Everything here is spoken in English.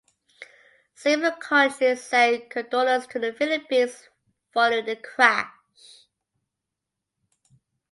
Several countries sent condolences to the Philippines following the crash.